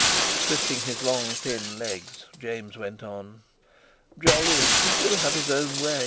Twisting his long, thin legs, James went on: "Jolyon, he will have his own way.